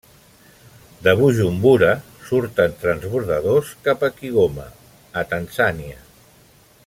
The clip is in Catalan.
De Bujumbura surten transbordadors cap a Kigoma, a Tanzània.